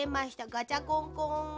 ガチャコンコン。